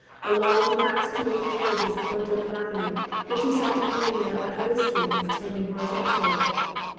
A long, black stream of carriages poured down the avenue, intersected here and there by other streams, tending horizontally.